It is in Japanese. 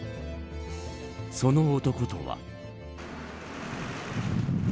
その男とは。